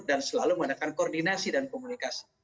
dan selalu menggunakan koordinasi dan komunikasi